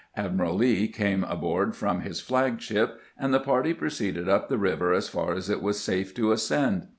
Admkal Lee came aboard from his flag ship, and the party proceeded up the river as far as it was safe to ascend.